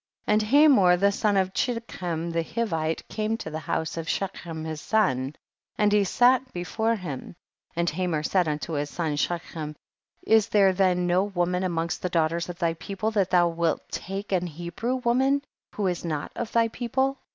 17. And Hamor the son of Chid dekem the Hivite came to the house of Shechem his son, and he sat be fore him, and Hamor said unto his son, Shechem, is there then no woman amoi^gst the daughters of thy people that thou wilt take an Hebrew woman who is not of thy people